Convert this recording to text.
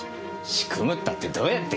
仕組むったってどうやって？